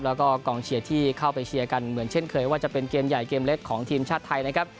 แล้วก็กองเชียร์ที่เข้าไปเชียร์กันเหมือนเช่นเคยว่าจะเป็นเกมใหญ่เกมเล็กของทีมชาติไทยนะครับ